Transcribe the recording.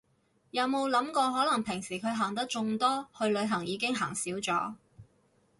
有冇諗過可能平時佢行得仲多，去旅行已經行少咗